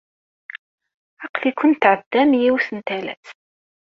Aql-iken tɛeddam i yiwet n talast.